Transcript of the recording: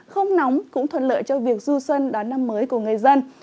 không nóng cũng thuận lợi cho việc du xuân đón năm mới của người dân